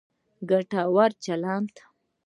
ګټور چلند